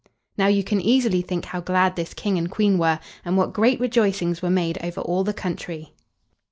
Now, you can easily think how glad this King and Queen were, and what great rejoicings were made over all the country.